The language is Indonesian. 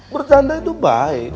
bercanda itu baik